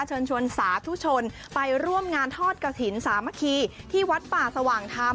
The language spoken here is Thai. เชิญชวนสาธุชนไปร่วมงานทอดกระถิ่นสามัคคีที่วัดป่าสว่างธรรม